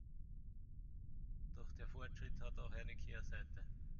Doch der Fortschritt hat auch eine Kehrseite.